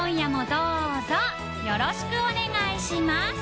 どうぞよろしくお願いします辻）